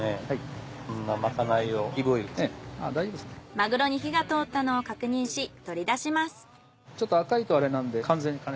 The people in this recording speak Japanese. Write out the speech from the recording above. マグロに火が通ったのを確認し取り出します。